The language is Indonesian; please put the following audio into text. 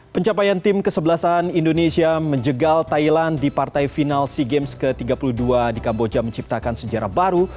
pencapaian tim kesebelasan indonesia menjegal thailand di partai final sea games ke tiga puluh dua di kamboja menciptakan sejarah baru